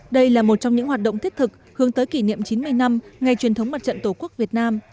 đây là một trong những hoạt động thiết thực hướng tới kỷ niệm chín mươi năm ngày truyền thống mặt trận tổ quốc việt nam